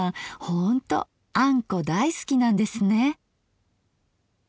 ほんとあんこ大好きなんですね。